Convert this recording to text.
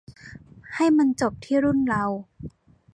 ให้มันจับที่รุ่นเรา